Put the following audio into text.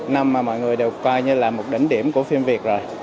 năm mà mọi người đều coi như là một đỉnh điểm của phim việt rồi